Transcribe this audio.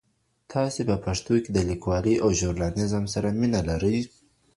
تاسي په پښتو کي د لیکوالۍ او ژورنالیزم سره مینه لرئ؟